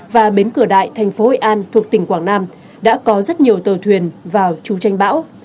và bến cửa đại thành phố hội an thuộc tỉnh quảng nam đã có rất nhiều tàu thuyền vào trú tranh bão